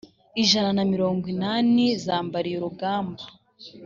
ijana na mirongo inani zambariye urugamba